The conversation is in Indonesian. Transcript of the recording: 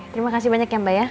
terima kasih banyak ya mbak ya